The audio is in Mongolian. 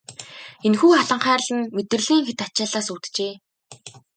Энэхүү хатанхайрал нь мэдрэлийн хэт ачааллаас үүджээ.